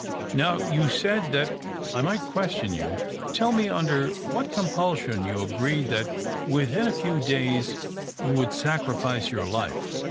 Now you said that I might question you, tell me under what compulsion you agreed that within a few days you would sacrifice your life